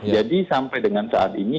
jadi sampai dengan saat ini